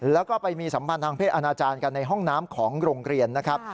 แล้วก็ไปมีสัมพันธ์ทางเพศอาณาจารย์กันในห้องน้ำของโรงเรียนนะครับ